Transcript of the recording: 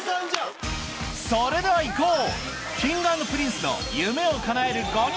それではいこう！